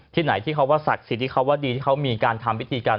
ไหนที่เขาว่าศักดิ์สิทธิเขาว่าดีที่เขามีการทำพิธีกัน